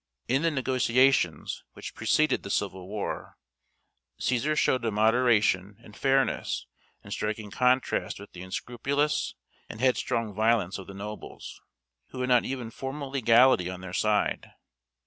In the negotiations which preceded the civil war, Cæsar showed a moderation and fairness in striking contrast with the unscrupulous and headstrong violence of the nobles, who had not even formal legality on their side.